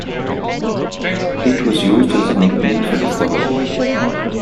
It was used as a nickname for the following.